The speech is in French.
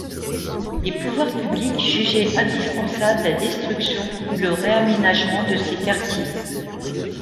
Les pouvoirs publics jugeaient indispensable la destruction ou le réaménagement de ces quartiers.